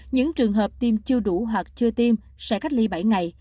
những trường hợp tiêm chưa đủ hoặc chưa tiêm sẽ cách ly bảy ngày